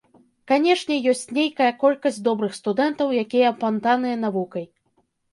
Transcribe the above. Канешне, ёсць нейкая колькасць добрых студэнтаў, якія апантаныя навукай.